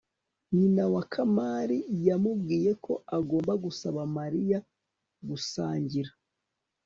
nyina wa kamali yamubwiye ko agomba gusaba mariya gusangira